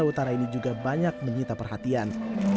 dan sumatera utara ini juga banyak menyita perhatian